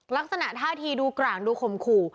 ลักษณะท่าทีดูกลางดูข่มขู่